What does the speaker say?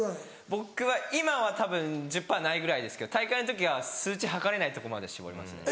僕は今はたぶん１０％ないぐらいですけど大会の時は数値測れないとこまで絞りますね。